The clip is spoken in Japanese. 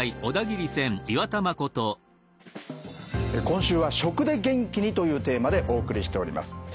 今週は「『食』で元気に！」というテーマでお送りしております。